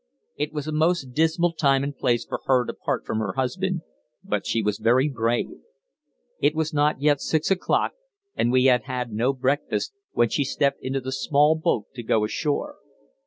It was a most dismal time and place for her to part from her husband, but she was very brave. It was not yet six o'clock, and we had had no breakfast, when she stepped into the small boat to go ashore.